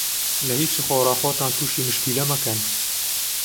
لە هیچ و خۆڕا خۆتان تووشی مشکیلە مەکەن.